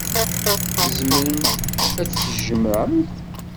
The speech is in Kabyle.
Tzemremt ad tt-tjemɛemt.